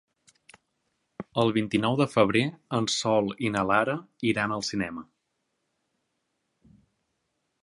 El vint-i-nou de febrer en Sol i na Lara iran al cinema.